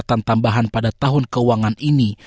kesehatan tambahan pada tahun keuangan ini